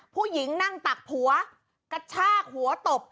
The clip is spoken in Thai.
ผู้หญิงนั่งตักผัวกระชากหัวตบ